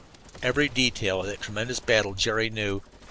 Every detail of that tremendous battle Jerry knew.